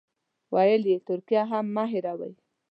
ویل یې ترکیه هم مه هېروئ.